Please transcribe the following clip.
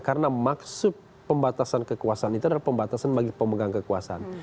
karena maksud pembatasan kekuasaan itu adalah pembatasan bagi pemegang kekuasaan